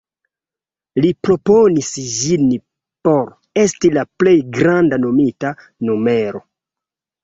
Li proponis ĝin por esti la plej granda nomita numero.